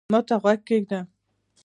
ما ته غوږ کېږده